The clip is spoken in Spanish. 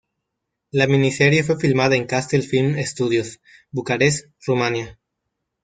La miniserie fue filmada en Castel Film Studios, Bucarest, Rumania.